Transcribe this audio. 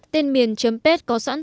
tên miền chấm page có sẵn